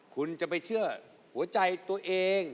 คุณจะไปเชื่อหัวใจตัวเอง